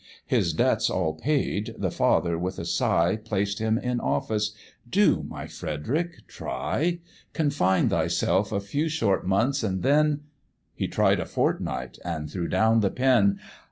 His debts all paid, the father, with a sigh, Placed him in office "Do, my Frederick, try: Confine thyself a few short months and then " He tried a fortnight, and threw down the pen.